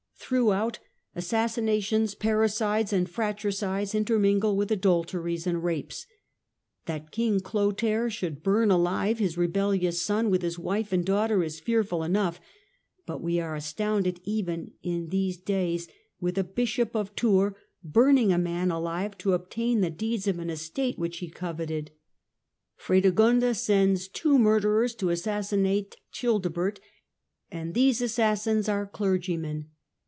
Throughout assassinations, parricides and fratricides in termingle with adulteries and rapes. That King Clotair should burn alive his rebellious son with his wife and daughter is fearful enough, but we are astounded even in these times with a Bishop of Tours burning a man alive to obtain the deeds of an estate which he coveted. THE RISE OF THE FRANKS 53 Fredegonda sends two murderers to assassinate Childe bert, and these assassins are clergymen.